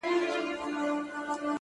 کښته راغی ورته کښېنستی پر مځکه٫